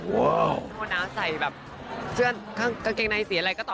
พี่โมณาใส่แบบเชื่อนกางเกงในสีอะไร